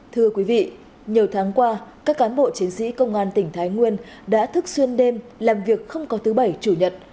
thưa quý vị nhiều tháng qua các cán bộ chiến sĩ công an tỉnh thái nguyên đã thức xuyên đêm làm việc không có thứ bảy chủ nhật